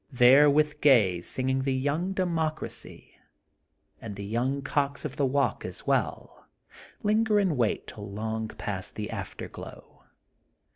There with gay sing ing the young democracy, and the young cocks of the walk as well, linger and wait till long past the afterglow.